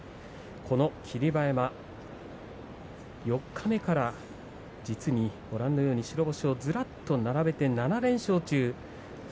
霧馬山、四日目からは実にご覧のように白星をずらっと並べて７連勝中。